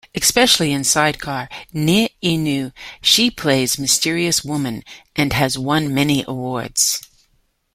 Especially in Sidecar ni inu, she plays mysterious woman and has won many awards.